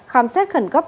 khám xét khẩn cấp